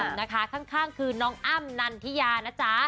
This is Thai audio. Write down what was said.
เจ้าประต่ำนะคะข้างคือน้องอ้ำนันทิยานะจ๊ะ